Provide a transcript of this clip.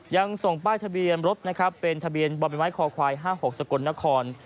ยังส่งป้ายทะเบียนรถนะครับเป็นทะเบียนบ่อใบไม้คอควาย๕๖สกลนคร